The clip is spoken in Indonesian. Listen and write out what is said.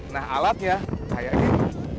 nah alatnya kayak ini